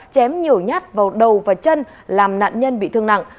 chém nhiều nhát vào đầu và chân làm nạn nhân bị thương nặng